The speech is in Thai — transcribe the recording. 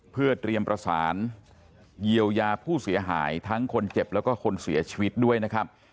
เพื่อเตรียมประสานเยียวยาผู้เสียหายทั้งคนเจ็บแล้วก็คนเสียชีวิตด้วยนะครับ